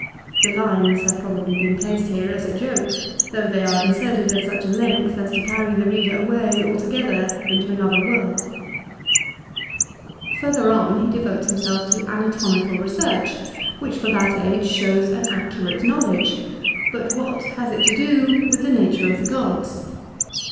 The lines have probably been placed here as a joke, though they are inserted at such a length as to carry the reader away altogether into another world. 1 DC Kat. Deo. lib. ii. co. xxix. CICERO'S PHILOSOPHY. 361 Further on lie devotes himself to anatomical research which, for that age, shows an accurate knowledge. But what has it to do with the nature of the gods